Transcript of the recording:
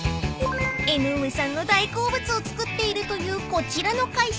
［江上さんの大好物を作っているというこちらの会社］